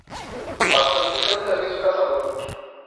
Pássaro que canta avisa o caçador.